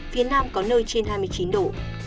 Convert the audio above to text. phía nam có nơi trên hai mươi chín độ